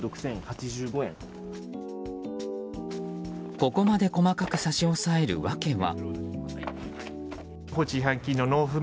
ここまで細かく差し押さえる訳は。